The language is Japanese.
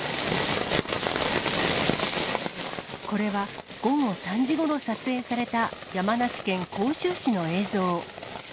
これは、午後３時ごろ撮影された、山梨県甲州市の映像。